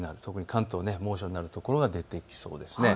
関東、猛暑になるところが出てきそうです。